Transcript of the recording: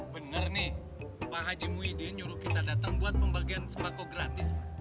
bener nih pak haji muidin nyuruh kita datang buat pembagian sembako gratis